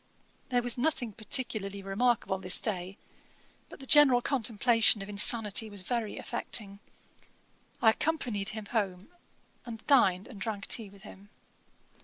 There was nothing peculiarly remarkable this day; but the general contemplation of insanity was very affecting. I accompanied him home, and dined and drank tea with him.